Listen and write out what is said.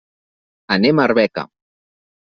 Anem a Arbeca.